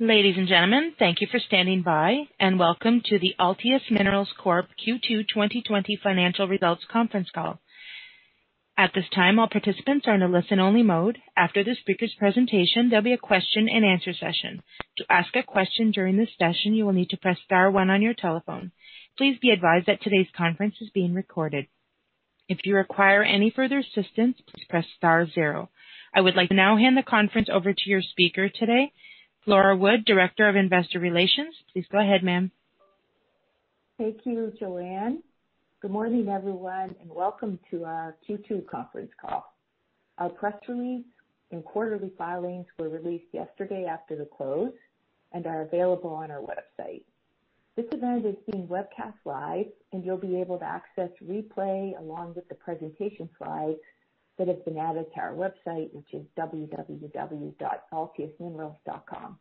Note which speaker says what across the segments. Speaker 1: Ladies and gentlemen, thank you for standing by, and welcome to the Altius Minerals Corp. Q2 2020 Financial Results Conference Call. At this time, all participants are in a listen-only mode. After the speakers' presentation, there'll be a question and answer session. To ask a question during this session, you will need to press star one on your telephone. Please be advised that today's conference is being recorded. If you require any further assistance, please press star zero. I would like to now hand the conference over to your speaker today, Flora Wood, Director of Investor Relations. Please go ahead, ma'am.
Speaker 2: Thank you, Joanne. Good morning, everyone, and welcome to our Q2 conference call. Our press release and quarterly filings were released yesterday after the close and are available on our website. This event is being webcast live, and you'll be able to access replay along with the presentation slides that have been added to our website, which is www.altiusminerals.com.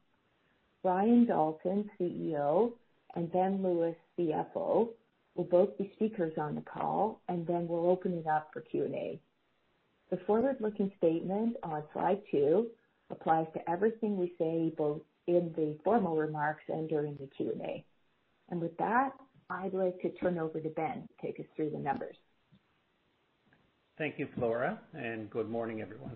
Speaker 2: Brian Dalton, CEO, and Ben Lewis, CFO, will both be speakers on the call, and then we'll open it up for Q&A. The forward-looking statement on slide two applies to everything we say, both in the formal remarks and during the Q&A. With that, I'd like to turn over to Ben to take us through the numbers.
Speaker 3: Thank you, Flora, and good morning, everyone.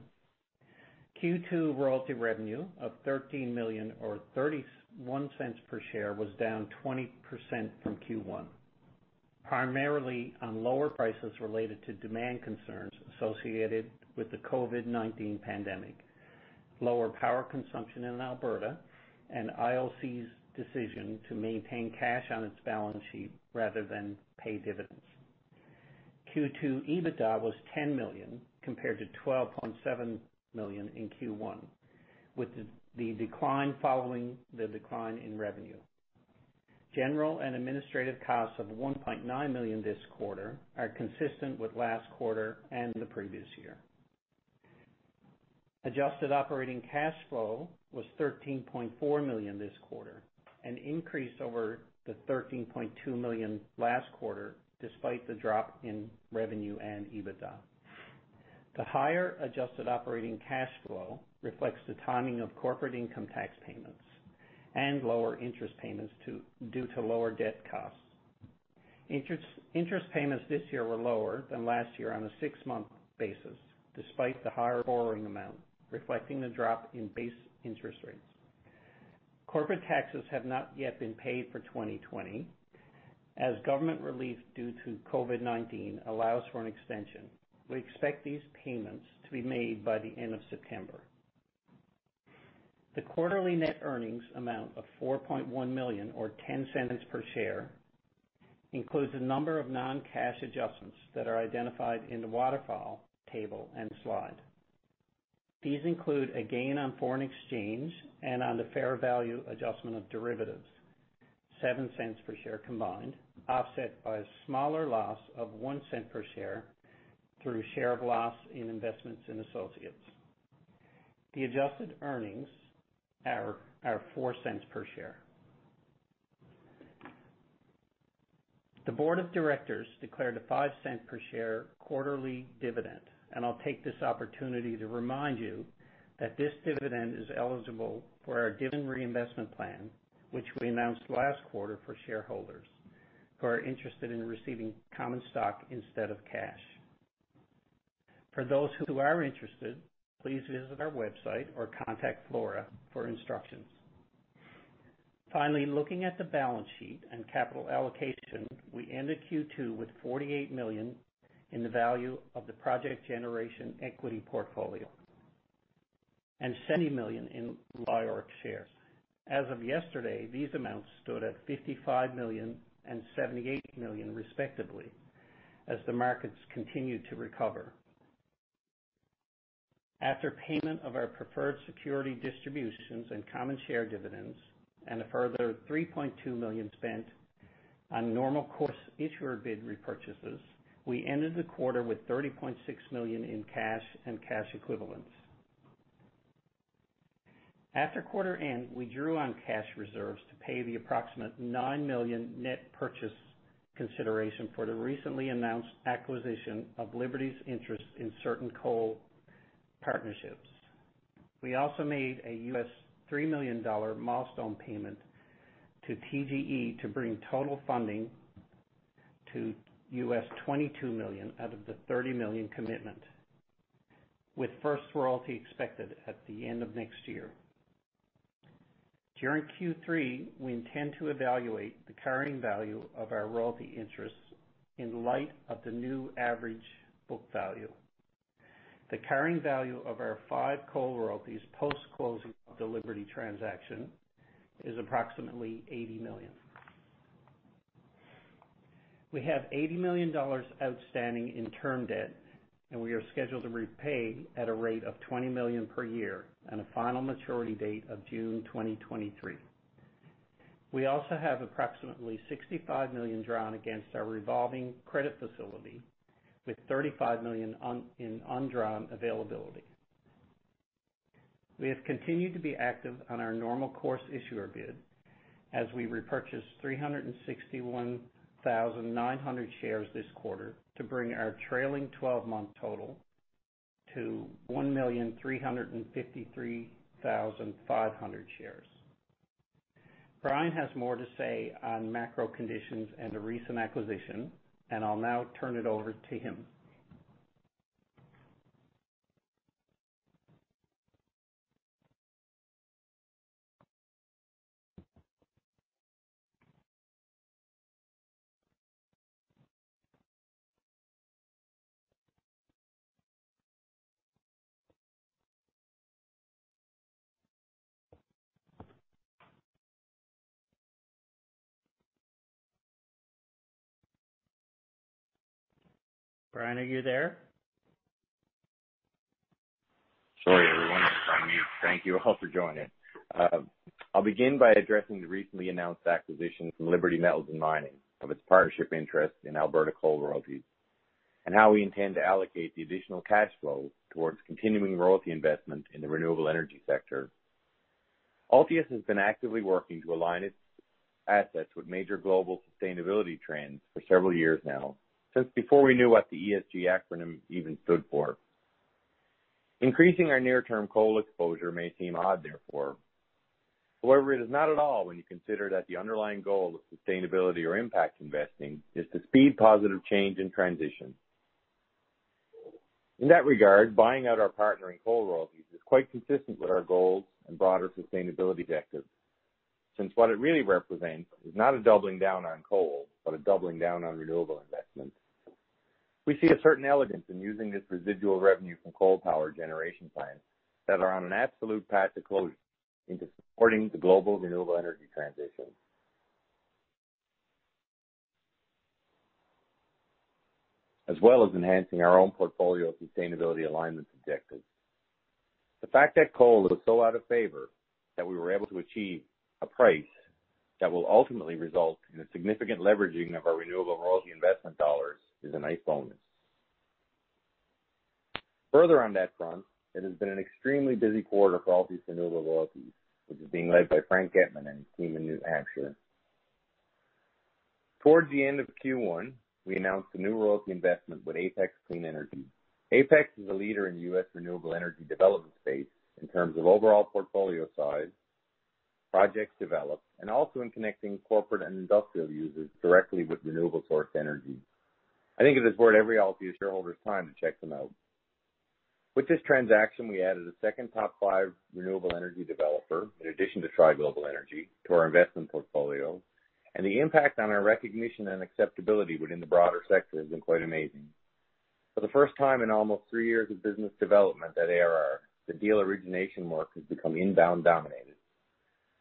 Speaker 3: Q2 royalty revenue of 13 million, or 0.31 per share, was down 20% from Q1, primarily on lower prices related to demand concerns associated with the COVID-19 pandemic, lower power consumption in Alberta, and IOC's decision to maintain cash on its balance sheet rather than pay dividends. Q2 EBITDA was 10 million, compared to 12.7 million in Q1, with the decline following the decline in revenue. General and administrative costs of 1.9 million this quarter are consistent with last quarter and the previous year. Adjusted operating cash flow was 13.4 million this quarter, an increase over the 13.2 million last quarter, despite the drop in revenue and EBITDA. The higher adjusted operating cash flow reflects the timing of corporate income tax payments and lower interest payments due to lower debt costs. Interest payments this year were lower than last year on a six-month basis, despite the higher borrowing amount, reflecting the drop in base interest rates. Corporate taxes have not yet been paid for 2020. As government relief due to COVID-19 allows for an extension, we expect these payments to be made by the end of September. The quarterly net earnings amount of 4.1 million or 0.10 per share includes a number of non-cash adjustments that are identified in the waterfall table and slide. These include a gain on foreign exchange and on the fair value adjustment of derivatives, 0.07 per share combined, offset by a smaller loss of 0.01 per share through share of loss in investments in associates. The adjusted earnings are 0.04 per share. The Board of Directors declared a 0.05 per share quarterly dividend, and I'll take this opportunity to remind you that this dividend is eligible for our dividend reinvestment plan, which we announced last quarter for shareholders who are interested in receiving common stock instead of cash. For those who are interested, please visit our website or contact Flora for instructions. Finally, looking at the balance sheet and capital allocation, we ended Q2 with 48 million in the value of the project generation equity portfolio and CAD 70 million in LIORC shares. As of yesterday, these amounts stood at 55 million and 78 million respectively as the markets continued to recover. After payment of our preferred security distributions and common share dividends and a further 3.2 million spent on normal course issuer bid repurchases, we ended the quarter with 30.6 million in cash and cash equivalents. After quarter end, we drew on cash reserves to pay the approximate 9 million net purchase consideration for the recently announced acquisition of Liberty Metals & Mining Holdings, LLC's interest in certain coal partnerships. We also made a $3 million milestone payment to TGE to bring total funding to $22 million out of the $30 million commitment, with first royalty expected at the end of next year. During Q3, we intend to evaluate the carrying value of our royalty interests in light of the new average book value. The carrying value of our five coal royalties post-closing of the Liberty Metals & Mining Holdings, LLC transaction is approximately 80 million. We have 80 million dollars outstanding in term debt, and we are scheduled to repay at a rate of 20 million per year on a final maturity date of June 2023. We also have approximately 65 million drawn against our revolving credit facility with 35 million in undrawn availability. We have continued to be active on our normal course issuer bid as we repurchased 361,900 shares this quarter to bring our trailing 12-month total to 1,353,500 shares. Brian has more to say on macro conditions and the recent acquisition, and I'll now turn it over to him. Brian, are you there?
Speaker 4: Sorry, everyone. I was on mute. Thank you all for joining. I will begin by addressing the recently announced acquisition from Liberty Metals & Mining of its partnership interest in Alberta Coal Royalties, and how we intend to allocate the additional cash flow towards continuing royalty investment in the renewable energy sector. Altius has been actively working to align its assets with major global sustainability trends for several years now, since before we knew what the ESG acronym even stood for. Increasing our near-term coal exposure may seem odd, therefore. However, it is not at all when you consider that the underlying goal of sustainability or impact investing is to speed positive change and transition. In that regard, buying out our partner in coal royalties is quite consistent with our goals and broader sustainability objectives, since what it really represents is not a doubling down on coal, but a doubling down on renewable investments. We see a certain elegance in using this residual revenue from coal power generation plants that are on an absolute path to closure into supporting the global renewable energy transition. As well as enhancing our own portfolio sustainability alignment objectives. The fact that coal is so out of favor that we were able to achieve a price that will ultimately result in a significant leveraging of our renewable royalty investment dollars is a nice bonus. Further on that front, it has been an extremely busy quarter for Altius Renewable Royalties, which is being led by Frank Getman and his team in New Hampshire. Towards the end of Q1, we announced a new royalty investment with Apex Clean Energy. Apex is a leader in U.S. renewable energy development space in terms of overall portfolio size, projects developed, and also in connecting corporate and industrial users directly with renewable source energy. I think it is worth every Altius shareholder's time to check them out. With this transaction, we added a second top five renewable energy developer, in addition to Tri Global Energy, to our investment portfolio, and the impact on our recognition and acceptability within the broader sector has been quite amazing. For the first time in almost three years of business development at ARR, the deal origination work has become inbound dominated.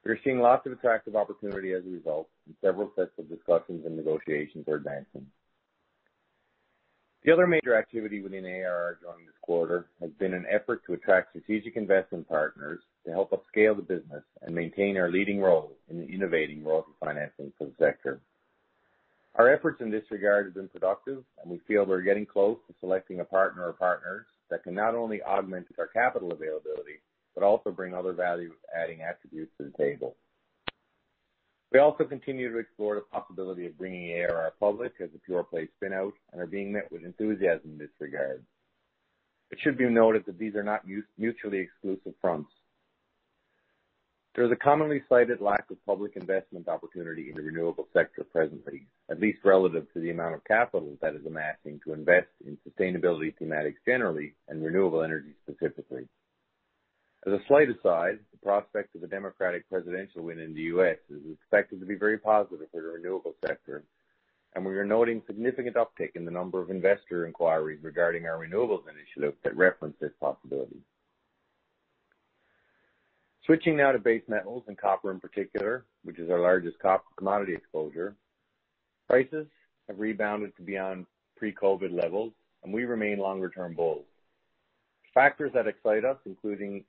Speaker 4: We are seeing lots of attractive opportunity as a result, and several sets of discussions and negotiations are advancing. The other major activity within ARR during this quarter has been an effort to attract strategic investment partners to help us scale the business and maintain our leading role in the innovating royalty financing subsector. Our efforts in this regard have been productive, and we feel we're getting close to selecting a partner or partners that can not only augment our capital availability, but also bring other value-adding attributes to the table. We also continue to explore the possibility of bringing ARR public as a pure-play spin-out, and are being met with enthusiasm in this regard. It should be noted that these are not mutually exclusive fronts. There is a commonly cited lack of public investment opportunity in the renewable sector presently, at least relative to the amount of capital that is amassing to invest in sustainability thematics generally, and renewable energy specifically. As a slight aside, the prospect of a Democratic presidential win in the U.S. is expected to be very positive for the renewable sector, and we are noting significant uptick in the number of investor inquiries regarding our renewables initiative that reference this possibility. Switching now to base metals, and copper in particular, which is our largest commodity exposure. Prices have rebounded to beyond pre-COVID-19 levels, and we remain longer-term bulls. Factors that excite us include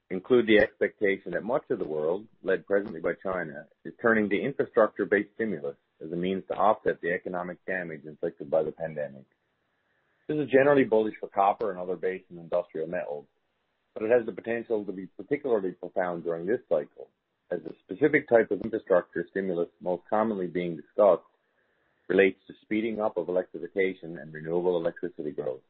Speaker 4: the expectation that much of the world, led presently by China, is turning to infrastructure-based stimulus as a means to offset the economic damage inflicted by the pandemic. This is generally bullish for copper and other base and industrial metals, but it has the potential to be particularly profound during this cycle, as the specific type of infrastructure stimulus most commonly being discussed relates to speeding up of electrification and renewable electricity growth.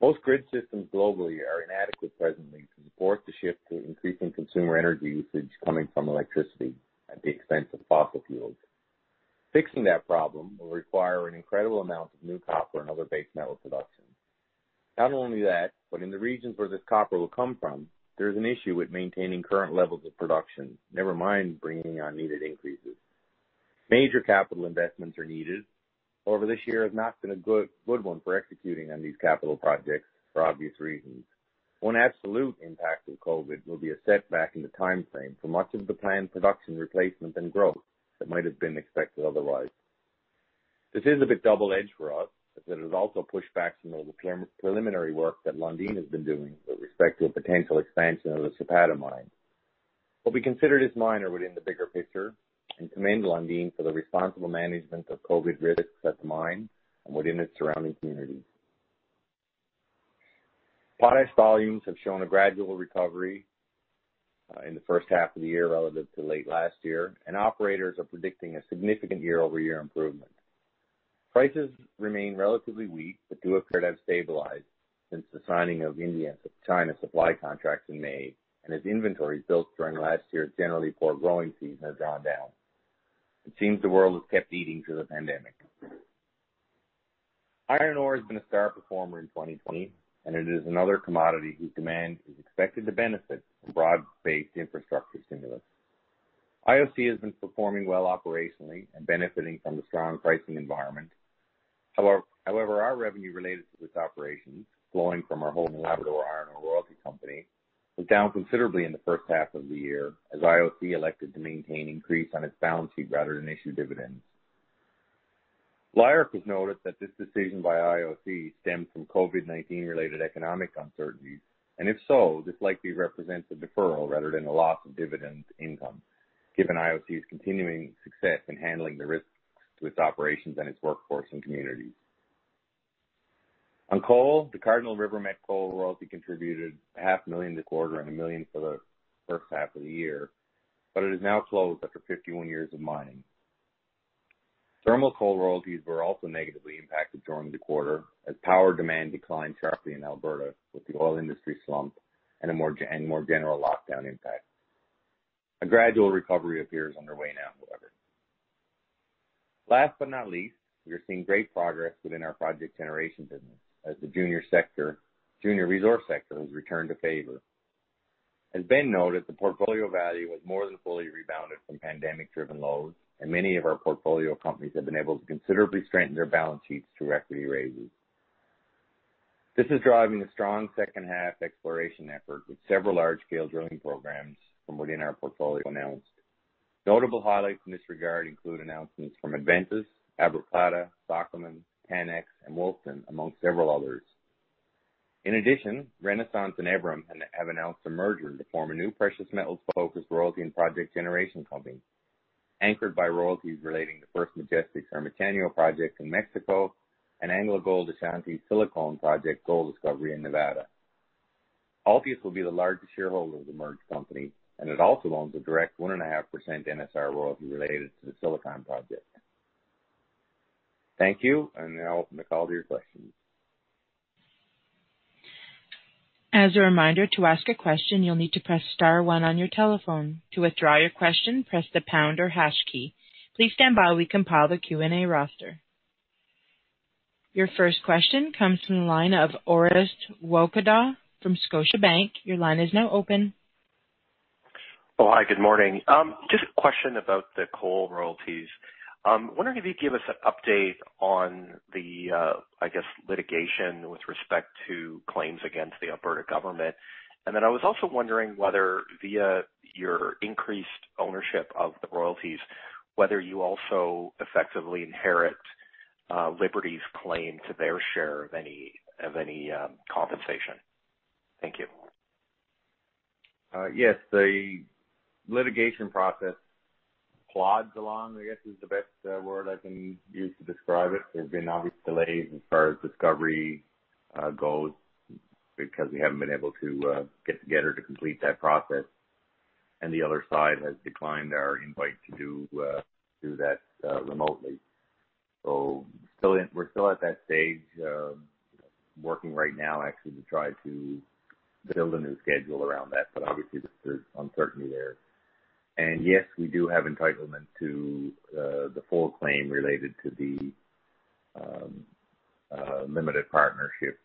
Speaker 4: Most grid systems globally are inadequate presently to support the shift to increasing consumer energy usage coming from electricity at the expense of fossil fuels. Fixing that problem will require an incredible amount of new copper and other base metal production. Not only that, but in the regions where this copper will come from, there is an issue with maintaining current levels of production, never mind bringing on needed increases. Major capital investments are needed. However, this year has not been a good one for executing on these capital projects, for obvious reasons. One absolute impact of COVID-19 will be a setback in the timeframe for much of the planned production replacement and growth that might have been expected otherwise. This is a bit double-edged for us, as it has also pushed back some of the preliminary work that Lundin has been doing with respect to a potential expansion of the Chapada Mine, what we considered as minor within the bigger picture, and commend Lundin for the responsible management of COVID-19 risks at the mine and within its surrounding communities. Potash volumes have shown a gradual recovery. In the first half of the year relative to late last year, and operators are predicting a significant year-over-year improvement. Prices remain relatively weak, but do appear to have stabilized since the signing of India and China supply contracts in May, and as inventories built during last year's generally poor growing season have drawn down. It seems the world has kept eating through the pandemic. Iron ore has been a star performer in 2020, and it is another commodity whose demand is expected to benefit from broad-based infrastructure stimulus. IOC has been performing well operationally and benefiting from the strong pricing environment. However, our revenue related to its operations, flowing from our holding Labrador Iron Ore Royalty Corporation, was down considerably in the first half of the year, as IOC elected to maintain increase on its balance sheet rather than issue dividends. LIORC has noted that this decision by IOC stemmed from COVID-19 related economic uncertainty, and if so, this likely represents a deferral rather than a loss of dividend income, given IOC's continuing success in handling the risks to its operations and its workforce and communities. On coal, the Cardinal River Met Coal Royalty contributed 0.5 million this quarter and 1 million for the first half of the year, but it is now closed after 51 years of mining. Thermal coal royalties were also negatively impacted during the quarter, as power demand declined sharply in Alberta with the oil industry slump and a more general lockdown impact. A gradual recovery appears underway now, however. Last but not least, we are seeing great progress within our project generation business, as the junior resource sector has returned to favor. As Ben noted, the portfolio value has more than fully rebounded from pandemic-driven lows, and many of our portfolio companies have been able to considerably strengthen their balance sheets through equity raises. This is driving a strong second half exploration effort with several large-scale drilling programs from within our portfolio announced. Notable highlights in this regard include announcements from Adventus, AbraPlata, Sokoman, CanAlaska, and Wolfden, among several others. In addition, Renaissance and Evrim have announced a merger to form a new precious metals-focused royalty and project generation company, anchored by royalties relating to First Majestic's Ermitaño project in Mexico and AngloGold Ashanti's Silicon project gold discovery in Nevada. Altius will be the largest shareholder of the merged company, and it also owns a direct 1.5% NSR royalty related to the Silicon project. Thank you, now open the call to your questions.
Speaker 1: As a reminder to ask aquestion you need to press star one on your telephone. To withdraw your question press pound or hash key. Please stand by as we compile the Q&A roster. Our first question comes from the line of Orest Wowkodaw from Scotiabank. Your line is now open.
Speaker 5: Oh, hi. Good morning. Just a question about the coal royalties. Wondering if you could give us an update on the litigation with respect to claims against the Alberta government. I was also wondering whether via your increased ownership of the royalties, whether you also effectively inherit Liberty's claim to their share of any compensation. Thank you.
Speaker 4: Yes. The litigation process plods along, I guess, is the best word I can use to describe it. There's been obvious delays as far as discovery goes because we haven't been able to get together to complete that process, and the other side has declined our invite to do that remotely. We're still at that stage, working right now, actually, to try to build a new schedule around that. Obviously, there's uncertainty there. Yes, we do have entitlement to the full claim related to the limited partnership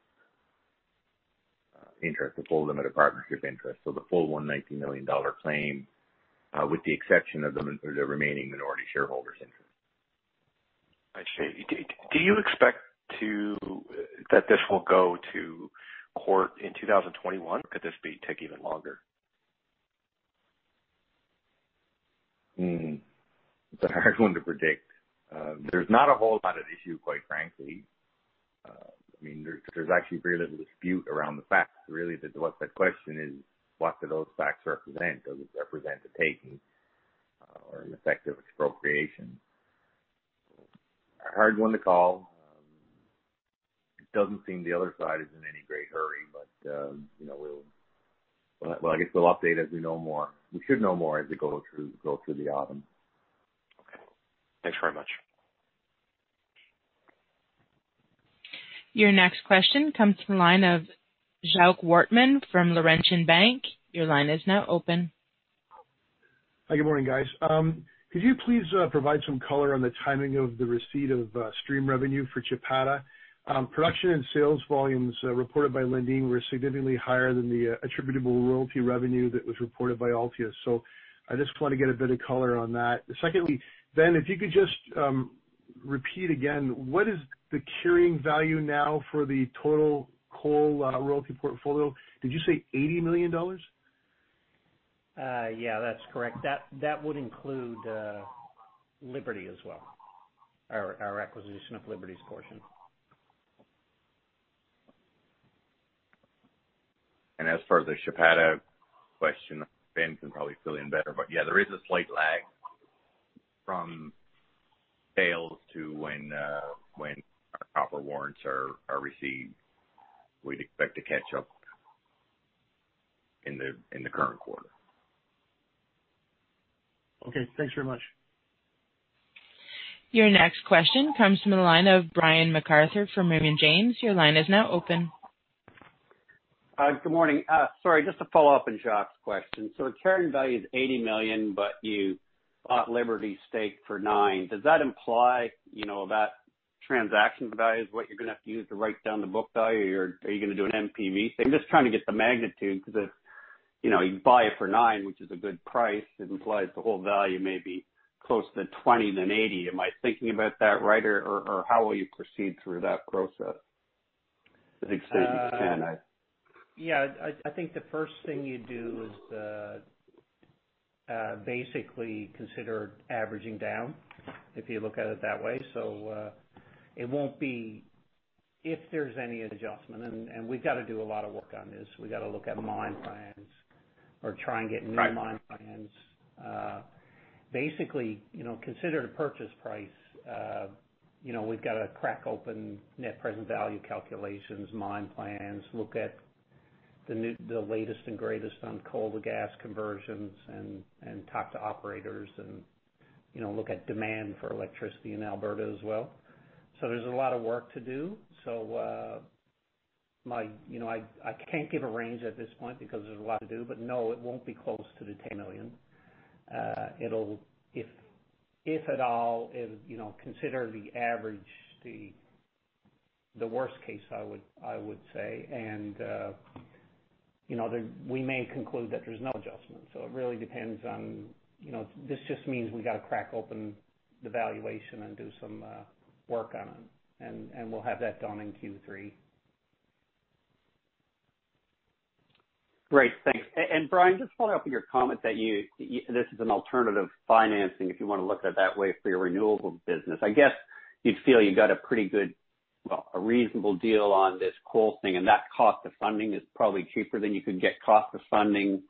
Speaker 4: interest, the full limited partnership interest. The full 190 million dollar claim, with the exception of the remaining minority shareholders' interest.
Speaker 5: I see. Do you expect that this will go to court in 2021, or could this take even longer?
Speaker 4: It's a hard one to predict. There's not a whole lot at issue, quite frankly. There's actually very little dispute around the facts, really. What the question is, what do those facts represent? Does it represent a taking or an effective expropriation? A hard one to call. It doesn't seem the other side is in any great hurry, but we'll update as we know more. We should know more as we go through the autumn.
Speaker 5: Okay. Thanks very much.
Speaker 1: Your next question comes from the line of Jacques Wortman from Laurentian Bank. Your line is now open.
Speaker 6: Hi, good morning, guys. Could you please provide some color on the timing of the receipt of stream revenue for Chapada? Production and sales volumes reported by Lundin were significantly higher than the attributable royalty revenue that was reported by Altius. I just want to get a bit of color on that. Secondly, Ben, if you could just repeat again, what is the carrying value now for the total coal royalty portfolio? Did you say 80 million dollars?
Speaker 3: Yeah, that's correct. That would include Liberty as well. Our acquisition of Liberty's portion.
Speaker 4: As far as the Chapada question, Ben can probably fill in better, but yeah, there is a slight lag from sales to when our copper warrants are received. We'd expect to catch up in the current quarter.
Speaker 6: Okay. Thanks very much.
Speaker 1: Your next question comes from the line of Brian MacArthur from Raymond James. Your line is now open.
Speaker 7: Good morning. Sorry, just a follow-up on Jacques' question. Carrying value is 80 million, but you bought Liberty's stake for 9. Does that imply that transaction value is what you're going to have to use to write down the book value? Are you going to do an NPV thing? Just trying to get the magnitude, because if you buy it for 9, which is a good price, it implies the whole value may be closer to 20 than 80. Am I thinking about that right? How will you proceed through that process?
Speaker 4: To the extent you can.
Speaker 3: Yeah. I think the first thing you do is basically consider averaging down, if you look at it that way. If there's any adjustment, we've got to do a lot of work on this. We've got to look at mine plans or try and get new mine plans. Basically, consider the purchase price. We've got to crack open net present value calculations, mine plans, look at the latest and greatest on coal-to-gas conversions, talk to operators, and look at demand for electricity in Alberta as well. There's a lot of work to do. I can't give a range at this point because there's a lot to do. No, it won't be close to the 10 million. If at all, consider the average the worst case, I would say. We may conclude that there's no adjustment. It really depends on This just means we've got to crack open the valuation and do some work on it, and we'll have that done in Q3.
Speaker 7: Great. Thanks. Brian, just following up on your comment that this is an alternative financing, if you want to look at it that way, for your renewables business. I guess you'd feel you got a pretty good, a reasonable deal on this coal thing, and that cost of funding is probably cheaper than you could get cost of funding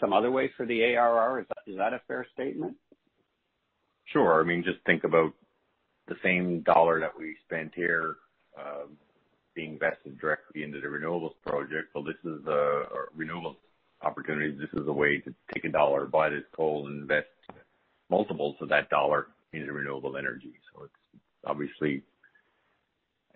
Speaker 7: some other way for the ARR. Is that a fair statement?
Speaker 4: Sure. Just think about the same dollar that we spent here being invested directly into the renewables project. This is a renewables opportunity. This is a way to take a dollar, buy this coal, and invest multiples of that dollar into renewable energy. Obviously,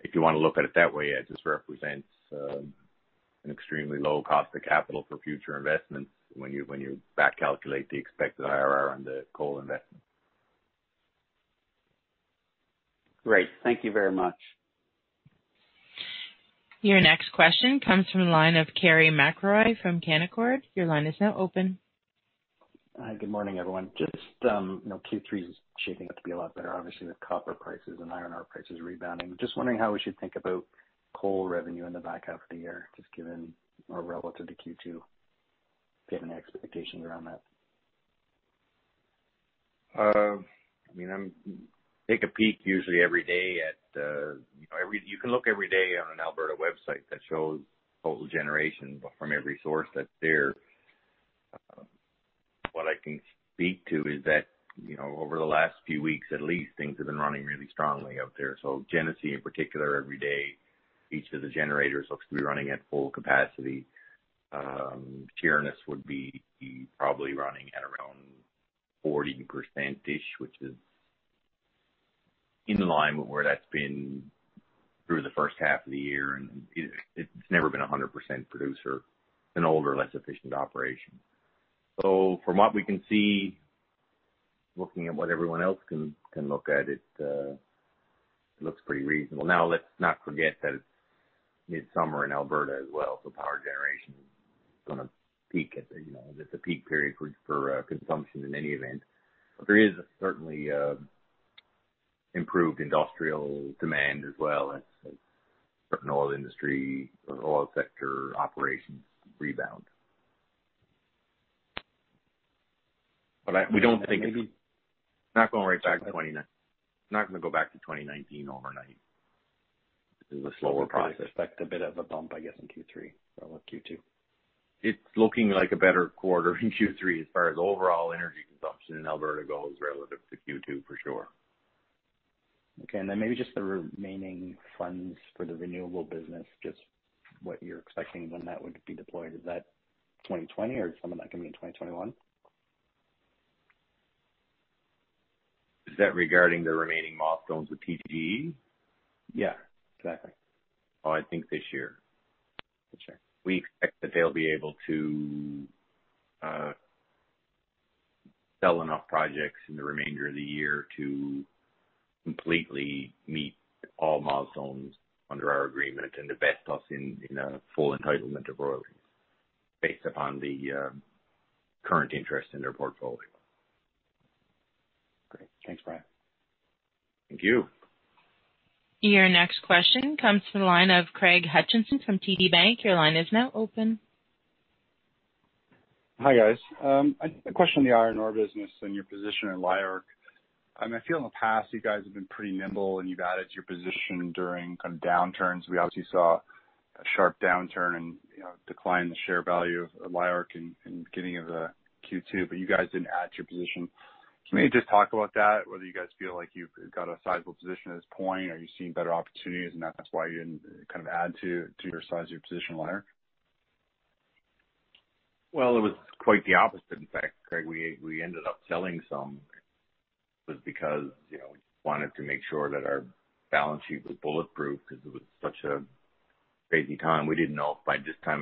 Speaker 4: if you want to look at it that way, it just represents an extremely low cost of capital for future investments when you back calculate the expected IRR on the coal investment.
Speaker 7: Great. Thank you very much.
Speaker 1: Your next question comes from the line of Carey MacRury from Canaccord. Your line is now open.
Speaker 8: Hi. Good morning, everyone. Q3 is shaping up to be a lot better, obviously, with copper prices and iron ore prices rebounding. Wondering how we should think about coal revenue in the back half of the year, just given or relative to Q2. Do you have any expectations around that?
Speaker 4: I take a peek usually every day. You can look every day on an Alberta website that shows total generation from every source that's there. What I can speak to is that over the last few weeks, at least, things have been running really strongly out there. Genesee, in particular, every day, each of the generators looks to be running at full capacity. Keephills would be probably running at around 40%-ish, which is in line with where that's been through the first half of the year, and it's never been 100% producer. It's an older, less efficient operation. From what we can see, looking at what everyone else can look at it looks pretty reasonable. Now, let's not forget that it's midsummer in Alberta as well, so power generation is going to peak at the peak period for consumption in any event. There is certainly improved industrial demand as well as certain oil industry or oil sector operations rebound. We don't think it's not going right back to 2019. It's not going to go back to 2019 overnight. This is a slower process. I expect a bit of a bump, I guess, in Q3 from Q2. It's looking like a better quarter in Q3 as far as overall energy consumption in Alberta goes relative to Q2 for sure.
Speaker 8: Okay. Maybe just the remaining funds for the renewable business, just what you're expecting when that would be deployed. Is that 2020 or is some of that going to be in 2021?
Speaker 4: Is that regarding the remaining milestones with TGE?
Speaker 8: Yeah, exactly.
Speaker 4: Oh, I think this year.
Speaker 8: Okay.
Speaker 4: We expect that they'll be able to sell enough projects in the remainder of the year to completely meet all milestones under our agreement and to vest us in a full entitlement of royalties based upon the current interest in their portfolio.
Speaker 8: Great. Thanks, Brian.
Speaker 4: Thank you.
Speaker 1: Your next question comes from the line of Craig Hutchison from TD Securities. Your line is now open.
Speaker 9: Hi, guys. A question on the iron ore business and your position in LIORC. I feel in the past, you guys have been pretty nimble, and you've added to your position during downturns. We obviously saw a sharp downturn and decline in the share value of LIORC in the beginning of the Q2, but you guys didn't add to your position. Can you just talk about that, whether you guys feel like you've got a sizable position at this point? Are you seeing better opportunities, and that's why you didn't add to or size your position at LIORC?
Speaker 4: Well, it was quite the opposite. In fact, Craig, we ended up selling some. It was because we just wanted to make sure that our balance sheet was bulletproof because it was such a crazy time. We didn't know if by this time,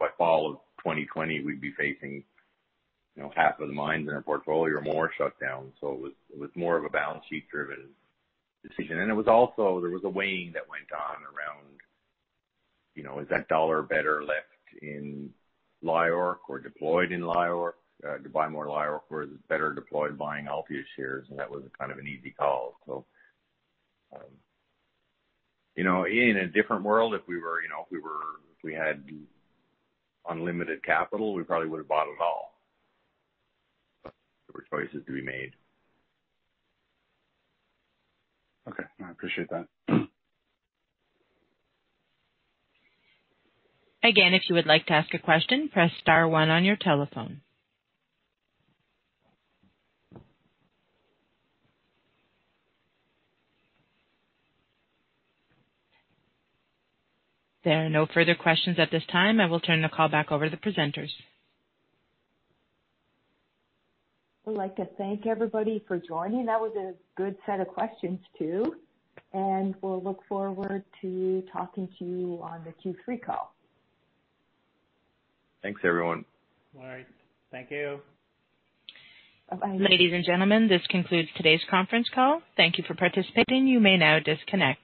Speaker 4: by fall of 2020, we'd be facing half of the mines in our portfolio or more shut down. It was more of a balance sheet driven decision. It was also, there was a weighing that went on around, is that dollar better left in LIORC or deployed in LIORC to buy more LIORC, or is it better deployed buying Altius shares? That was kind of an easy call. In a different world, if we had unlimited capital, we probably would've bought it all. There were choices to be made.
Speaker 9: Okay. No, I appreciate that.
Speaker 1: Again, if you would like to ask a question, press star one on your telephone. There are no further questions at this time. I will turn the call back over to the presenters.
Speaker 2: We'd like to thank everybody for joining. That was a good set of questions, too, and we'll look forward to talking to you on the Q3 call.
Speaker 4: Thanks, everyone.
Speaker 3: All right. Thank you.
Speaker 1: Ladies and gentlemen, this concludes today's conference call. Thank you for participating. You may now disconnect.